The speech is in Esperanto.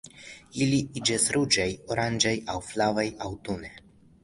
Ili iĝas ruĝaj, oranĝaj aŭ flavaj aŭtune.